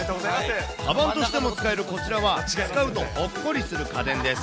かばんとしても使えるこちらは、使うとほっこりする家電です。